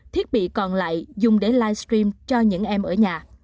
thiết bị còn lại dùng để livestream cho những em ở nhà